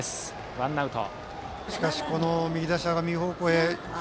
ワンアウト。